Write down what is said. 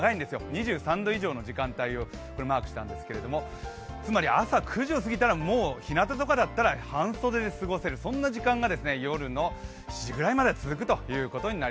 ２３度以上の時間帯をマークしたんですけども、つまり朝９時を過ぎたらひなたとかだったら半袖で過ごせるそんな時間がよるの７時くらいまで続くということです。